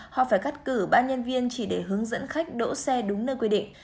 họ phải cắt cử ba nhân viên chỉ để hướng dẫn khách đỗ xe đúng nơi quy định